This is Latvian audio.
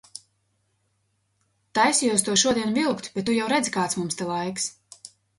Taisījos to šodien vilkt, bet tu jau redzi, kāds mums te laiks.